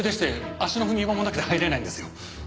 足の踏み場もなくて入れないんですよ。